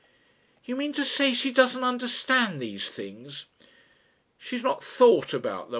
"You mean to say she doesn't understand these things?" "She's not thought about them.